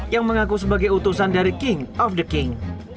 yang mengaku sebagai utusan dari king of the king